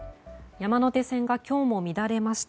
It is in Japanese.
山手線が今日も乱れました。